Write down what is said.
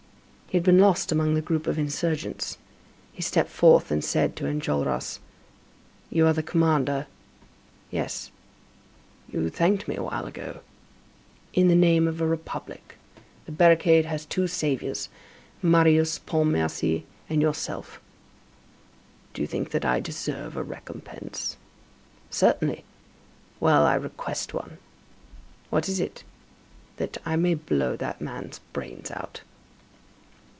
He had been lost among the group of insurgents. He stepped forth and said to Enjolras: "You are the commander?" "Yes." "You thanked me a while ago." "In the name of the Republic. The barricade has two saviors, Marius Pontmercy and yourself." "Do you think that I deserve a recompense?" "Certainly." "Well, I request one." "What is it?" "That I may blow that man's brains out."